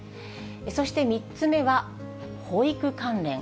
そして３つ目は、保育関連。